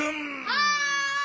はい！